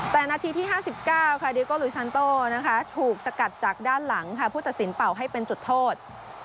แต่นาทีที่๕๙ค่ะดิโกลุยชันโตนะคะถูกสกัดจากด้านหลังค่ะผู้ตัดสินเป่าให้เป็นจุดโทษ